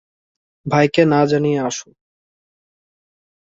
ভাইকে না জানিয়ে আসো।